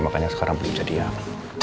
makanya sekarang belum jadian